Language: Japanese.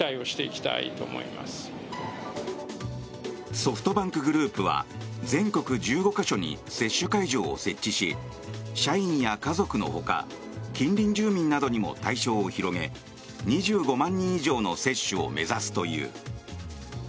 ソフトバンクグループは全国１５か所に接種会場を設置し社員や家族のほか近隣住民などにも対象を広げ２５万人以上の接種を目指すという。